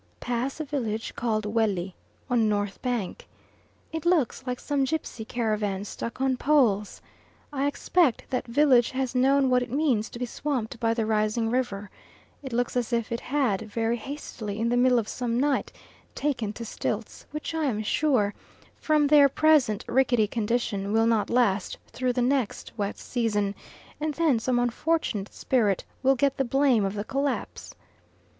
Pass village called Welli on north bank. It looks like some gipsy caravans stuck on poles. I expect that village has known what it means to be swamped by the rising river; it looks as if it had, very hastily in the middle of some night, taken to stilts, which I am sure, from their present rickety condition, will not last through the next wet season, and then some unfortunate spirit will get the blame of the collapse.